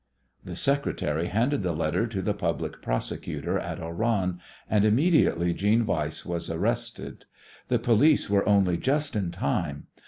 The secretary handed the letter to the Public Prosecutor at Oran, and immediately Jeanne Weiss was arrested. The police were only just in time.